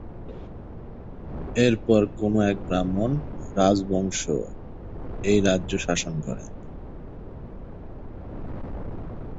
এর পর কোনো এক ব্রাহ্মণ রাজবংশ এই রাজ্য শাসন করে।